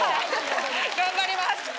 頑張ります。